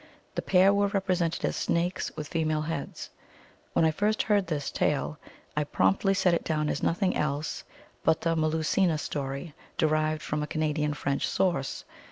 The pair were represented as snakes with fe male heads. When I first heard this tale, I promptly set it down as nothing else but the Melusina story derived from a Canadian French source.